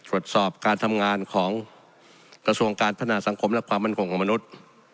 ตรวจสอบการทำงานของกระทรวงการพัฒนาสังคมและความมั่นคงของมนุษย์